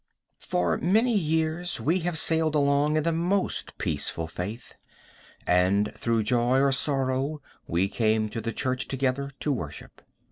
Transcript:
For many years we have sailed along in the most peaceful faith, and through joy or sorrow we came to the church together to worship.